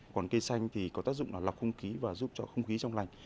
còn cây xanh thì có tác dụng là lọc không khí và giúp cho không khí trong lành